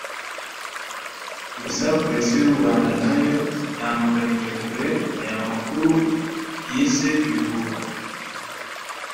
Gusa polisi y’u Rwanda na yo yamaganiye kure aya makuru yise ibihuha